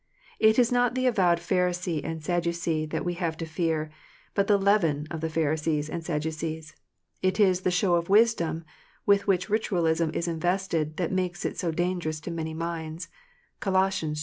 It is not the avowed Pharisee and Sadducee that we have to fear, but the leaven of the Pharisees and Sadducees. It is the "show of wisdom " with which Ritualism is invested that makes it so dangerous to many minds. (Col. ii. 23.)